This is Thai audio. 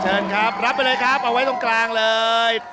เชิญครับรับไปเลยครับเอาไว้ตรงกลางเลย